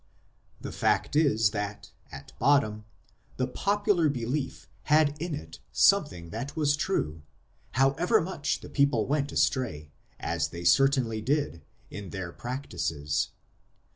The fact is that, at bottom, the popular belief had in it something that was true, however much the people went astray, as they certainly did, in their practices.